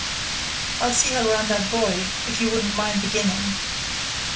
I'll see her round that buoy, if you wouldn't mind beginning."